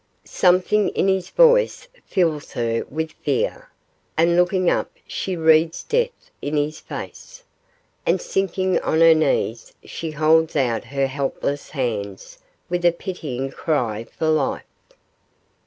Something in his voice fills her with fear, and looking up she reads death in his face, and sinking on her knees she holds out her helpless hands with a pitying cry for life.